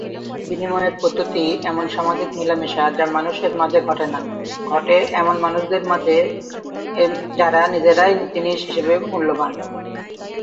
বিনিময়ের পদ্ধতি এমন সামাজিক মেলামেশা যা মানুষের মাঝে ঘটে না, ঘটে এমন মানুষদের মাঝে যারা নিজেরাই জিনিস হিসেবে মূল্যবান।